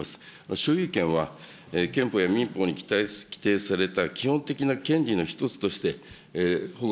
所有権は憲法や民法に規定された基本的な権利の一つとして、保護